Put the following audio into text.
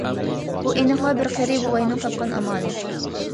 بۇ ئېنىقلا بىر قېرى بوۋاينىڭ تاپقان ئامالى.